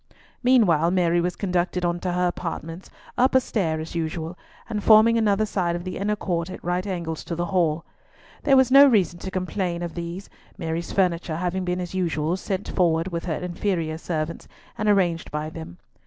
Meanwhile Mary was conducted on to her apartments, up a stair as usual, and forming another side of the inner court at right angles to the Hall. There was no reason to complain of these, Mary's furniture having as usual been sent forward with her inferior servants, and arranged by them.